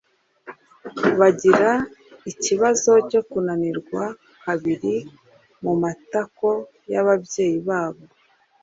bagira ikibazo cyo kunanirwa bakiri mu matako y’ababyeyi babo